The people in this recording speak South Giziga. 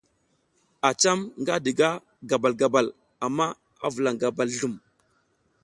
A cam nga diga gabal gabal amma a vulaƞ gabal zlum.